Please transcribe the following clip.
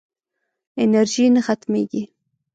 انرژي نه ختمېږي.